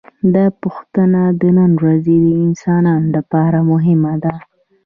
دا پوښتنه د نن ورځې انسانانو لپاره مهمه ده.